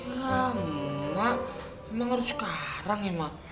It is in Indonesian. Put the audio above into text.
ya emak emang harus sekarang ya emak